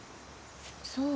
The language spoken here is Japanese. そう。